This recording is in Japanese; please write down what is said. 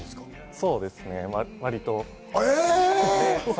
そうですね、割りと。